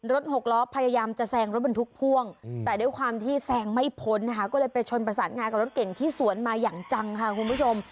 หกล้อพยายามจะแซงรถบรรทุกพ่วงแต่ด้วยความที่แซงไม่พ้นนะคะก็เลยไปชนประสานงากับรถเก่งที่สวนมาอย่างจังค่ะคุณผู้ชม